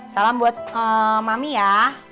salam buat mami ya